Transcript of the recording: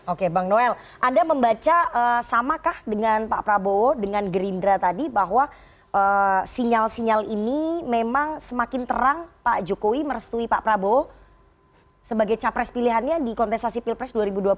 oke bang noel anda membaca samakah dengan pak prabowo dengan gerindra tadi bahwa sinyal sinyal ini memang semakin terang pak jokowi merestui pak prabowo sebagai capres pilihannya di kontestasi pilpres dua ribu dua puluh empat